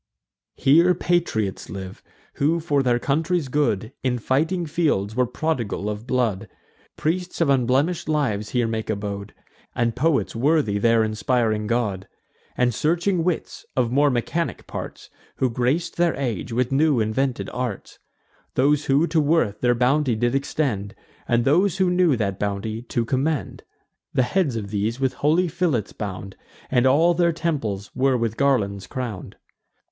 Here patriots live, who, for their country's good, In fighting fields, were prodigal of blood: Priests of unblemish'd lives here make abode, And poets worthy their inspiring god; And searching wits, of more mechanic parts, Who grac'd their age with new invented arts: Those who to worth their bounty did extend, And those who knew that bounty to commend. The heads of these with holy fillets bound, And all their temples were with garlands crown'd.